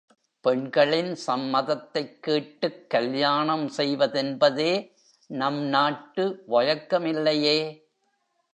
பெண்களின் சம்மதத்தைக் கேட்டுக் கல்யாணம் செய்வதென்பதே நம் நாட்டு வழக்கமில்லையே!